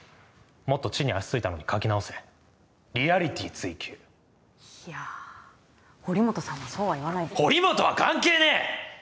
もっと地に足着いたのに描き直せリアリティ追求いや堀本さんもそうは言わない堀本は関係ねえ！